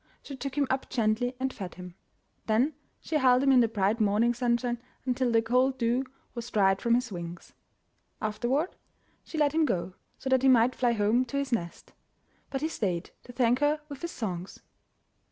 She took him up gently and fed him. Then she held him in the bright morning sunshine until the cold dew was dried from his wings. Afterward she let him go, so that he might fly home to his nest; but he stayed to thank her with his songs.